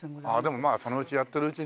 でもまあそのうちやってるうちにね。